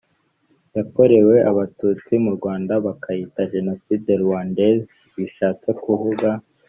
yakorewe abatutsi mu rwanda bakayita jenoside rwandais bishatse kuvuga